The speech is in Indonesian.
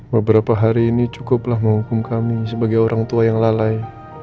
beberapa hari ini cukuplah menghukum kami sebagai orang tua yang lalai